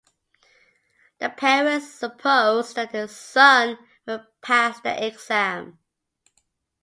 The parents suppose that their son will pass that exam.